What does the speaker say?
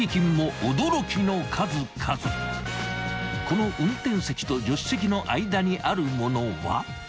［この運転席と助手席の間にある物は］